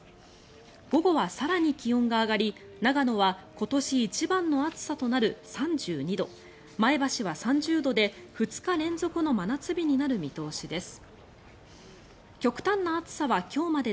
午後は更に気温が上がり、長野は今年一番の暑さとなる３２度前橋は３０度で２日連続の真夏日になる見通しです。